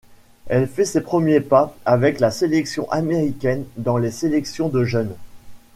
Elle fait ses premiers pas avec la sélection américaine dans les sélections de jeune.